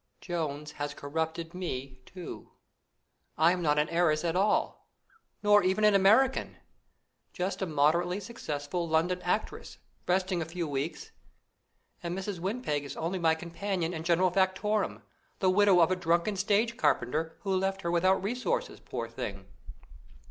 Jones has corrupted me too. I'm not an heiress at all, nor even an American just a moderately successful London actress, resting a few weeks, and Mrs. Windpeg is only my companion and general factotum, the widow of a drunken stage carpenter, who left her without resources, poor thing.